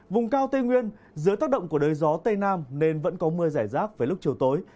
vùng cao tây nguyên dưới tác động của đới gió tây nam nên vẫn có mưa giải rác với lúc chiều tối